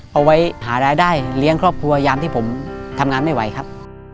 เอาไว้หารายได้เลี้ยงครอบครัวยามที่ผมทำงานไม่ไหวครับ